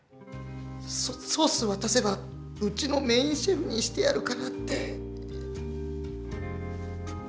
ソソースをわたせばうちのメインシェフにしてやるからって。